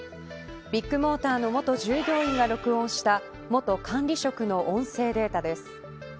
ビッグモーターの元従業員が録音した元管理職の音声データです。